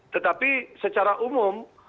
tetapi secara umum